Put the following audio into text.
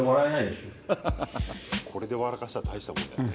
これで笑かしたら大したもんだよね。